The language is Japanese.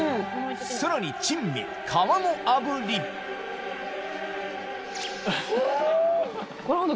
さらに珍味皮の炙りん！